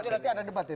oke nanti ada debat ya